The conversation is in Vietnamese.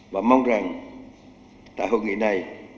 và mong rằng tại hội nghị này